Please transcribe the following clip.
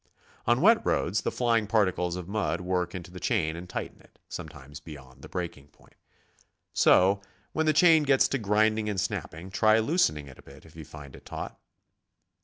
On wet roads the flying particles of mud work into the chain and tighten it, sometimes beyoiivd the breaking point. So when the chain gets to grinding and snapping, try loosening it a bit if you find it taut.